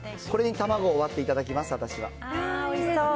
これに卵を割っていただきます、私は。